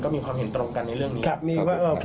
ก็มีความเห็นตรงกันในเรื่องนี้